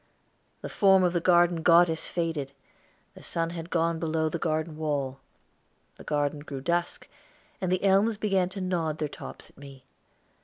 The form of the garden goddess faded, the sun had gone below the garden wall. The garden grew dusk, and the elms began to nod their tops at me.